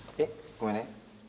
ごめんね。